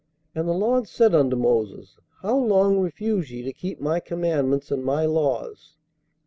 And the Lord said unto Moses, How long refuse ye to keep my commandments and my laws?